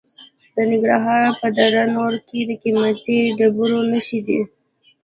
د ننګرهار په دره نور کې د قیمتي ډبرو نښې دي.